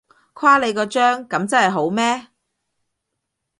誇你個張，噉真係好咩？